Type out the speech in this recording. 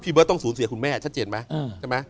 พี่เบิร์ดต้องศูนย์เสียคุณแม่ชัดเจนไหม